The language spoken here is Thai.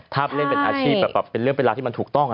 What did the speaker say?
ถ้าเล่นเป็นอาชีพแบบเป็นเรื่องเป็นราวที่มันถูกต้อง